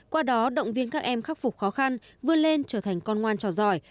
qua đó động viên các em khắc phục khó khăn vươn lên trở thành con ngoan trò giỏi